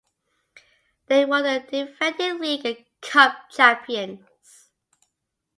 They were the defending League and Cup champions.